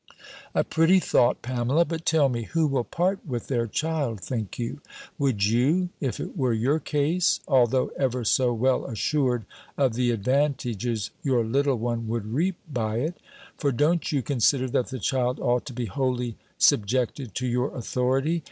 "A pretty thought, Pamela! but tell me, who will part with their child, think you? Would you, if it were your case, although ever so well assured of the advantages your little one would reap by it? For don't you consider, that the child ought to be wholly subjected to your authority?